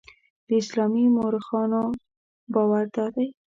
د اسلامي مورخانو باور دادی.